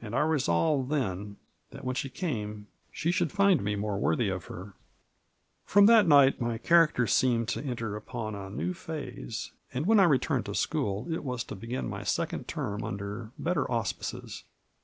And I resolved then that when she came she should find me more worthy of her. From that night my character seemed to enter upon a new phase, and when I returned to school it was to begin my second term under better auspices.